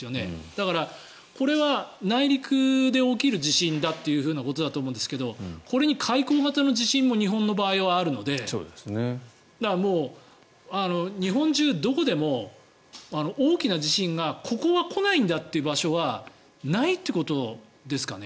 だから、これは内陸で起きる地震だということだと思うんですがこれに海溝型の地震も日本の場合はあるので日本中どこでも、大きな地震がここは来ないんだって場所はないということですかね。